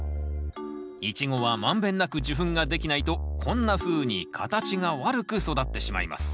イチゴは満遍なく受粉ができないとこんなふうに形が悪く育ってしまいます。